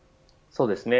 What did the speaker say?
そうですね。